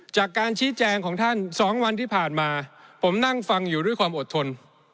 จากการชี้แจงของท่าน๒วันที่ผ่านมาผมนั่งฟังอยู่ด้วยความอดทน